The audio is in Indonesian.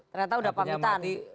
ternyata udah pamitan